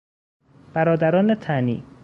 برادران تنی